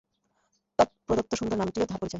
তৎপ্রদত্ত সুন্দর নামটিও তাহার পরিচয়।